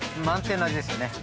満点の味ですね。